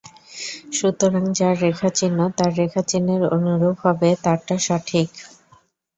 সুতরাং যার রেখা চিহ্ন তাঁর রেখা চিহ্নের অনুরূপ হবে তাঁরটা সঠিক।